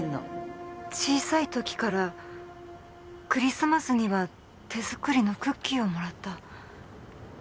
小さい時からクリスマスには手作りのクッキーをもらった。